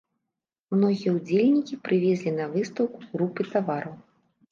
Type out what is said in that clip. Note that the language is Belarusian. Многія ўдзельнікі прывезлі на выстаўку групы тавараў.